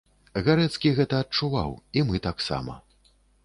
Гарэцкі гэта адчуваў, і мы таксама.